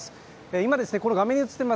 今、画面に映っています